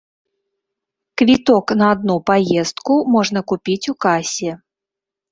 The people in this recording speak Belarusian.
Квіток на адну паездку можна купіць у касе.